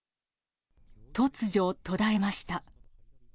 突如、途絶えました。